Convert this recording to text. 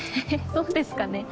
そうですかね。